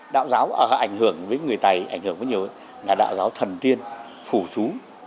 đạo giáo ảnh hưởng với người tày ảnh hưởng với nhiều là đạo giáo thần tiên phủ chú